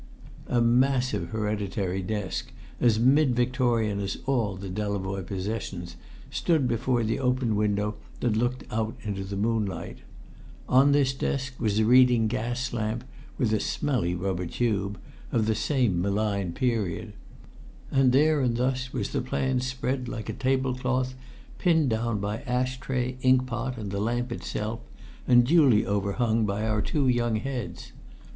A massive hereditary desk, as mid Victorian as all the Delavoye possessions, stood before the open window that looked out into the moonlight; on this desk was a reading gas lamp, with a smelly rubber tube, of the same maligned period; and there and thus was the plan spread like a tablecloth, pinned down by ash tray, inkpot, and the lamp itself, and duly overhung by our two young heads.